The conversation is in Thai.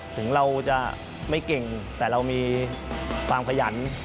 ถึงเราจะไม่เก่งแต่เรามีความขยัน